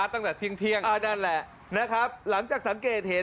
ตั้งแต่เที่ยงนั่นแหละนะครับหลังจากสังเกตเห็น